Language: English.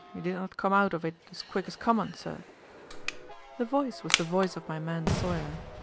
You did not come out of it as quick as common, sir." The voice was the voice of my man Sawyer.